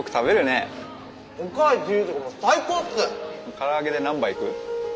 から揚げで何杯いく？